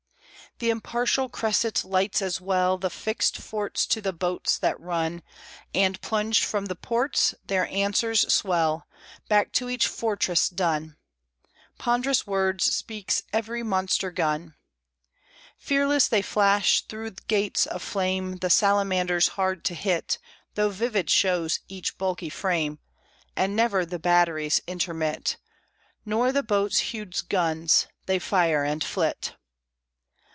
The impartial cresset lights as well The fixed forts to the boats that run; And, plunged from the ports, their answers swell Back to each fortress dun; Ponderous words speaks every monster gun. Fearless they flash through gates of flame, The salamanders hard to hit, Though vivid shows each bulky frame; And never the batteries intermit, Nor the boat's huge guns; they fire and flit.